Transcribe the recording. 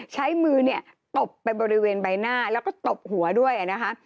ใช้มือเนี่ยตบไปบริเวณใบหน้าแล้วก็ตบหัวด้วยนะคะ